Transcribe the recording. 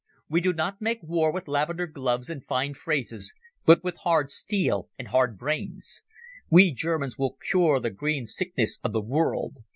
We do not make war with lavender gloves and fine phrases, but with hard steel and hard brains. We Germans will cure the green sickness of the world.